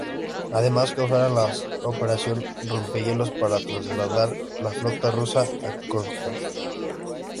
Además causaron la Operación rompehielos para trasladar la flota rusa a Kronstadt.